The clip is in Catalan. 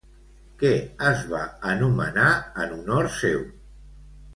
Què es va anomenar en honor seu?